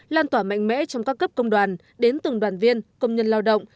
lan tỏa mạnh mẽ trong các cấp công đoàn đến từng đoàn viên công nhân lao động